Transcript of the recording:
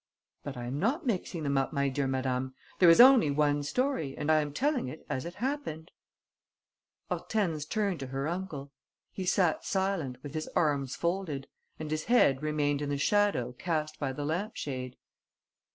"But I am not mixing them up, my dear madame; there is only one story and I am telling it as it happened." Hortense turned to her uncle. He sat silent, with his arms folded; and his head remained in the shadow cast by the lamp shade.